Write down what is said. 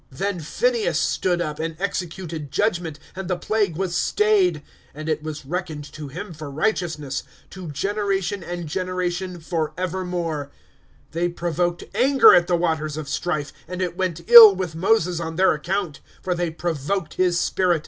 ^^ Then Phineas stood up, and executed judgment, And the plague was stayed. ^^ And it was reckoned to him for righteousness. To generation and generation, forevermore. ^2 They provoked anger at the waters of Strife ; And it wont ill with Moses on their account. ^^ For they provoked his spirit.